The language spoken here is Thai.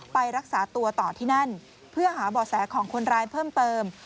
ไปรักษาตัวต่อที่นั่นเพื่อหาบ่อแสของคนร้ายเพิ่มเติม